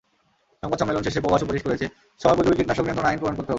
সংবাদ সম্মেলন থেকে পবা সুপারিশ করেছে, সময়োপযোগী কীটনাশক নিয়ন্ত্রণ আইন প্রণয়ন করতে হবে।